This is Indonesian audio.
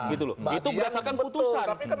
itu berdasarkan putusan